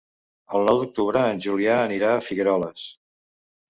El nou d'octubre en Julià anirà a Figueroles.